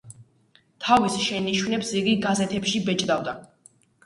თავის შენიშვნებს იგი გაზეთებში ბეჭდავდა.